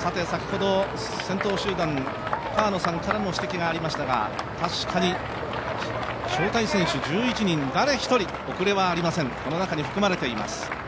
先ほど先頭集団、河野さんからも指摘がありましたが確かに招待選手１１人、誰一人遅れはありません、この中に含まれています。